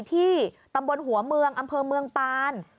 ที่ตำบลหัวเมืองอำเภอเมืองปาน